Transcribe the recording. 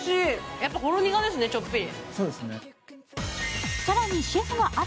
やっぱほろ苦ですね、ちょっぴり。